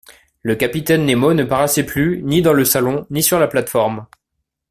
Le capitaine Nemo ne paraissait plus, ni dans le salon, ni sur la plate-forme.